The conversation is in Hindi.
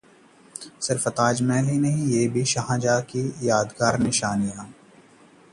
सिर्फ ताजमहल ही नहीं, ये भी हैं शाहजहां की यादगार निशानियां